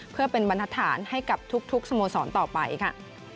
เพื่อเป็นบรรทฐานให้กับทุกสโมสรต่อไปค่ะ